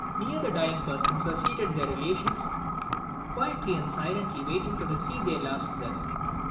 Near the dying persons were seated their relations, quietly and silently waiting to receive their last breath.